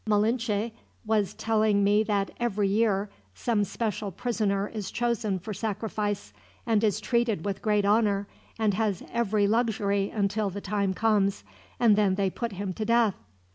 "Malinche was telling me that, every year, some special prisoner is chosen for sacrifice, and is treated with great honor, and has every luxury until the time comes, and then they put him to death.